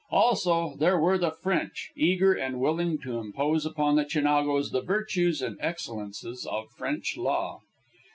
Also, there were the French, eager and willing to impose upon the Chinagos the virtues and excellences of French law.